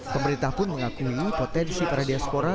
pemerintah pun mengakui potensi para diaspora